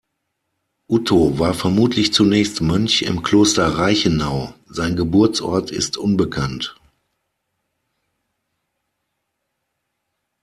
Utto war vermutlich zunächst Mönch im Kloster Reichenau; sein Geburtsort ist unbekannt.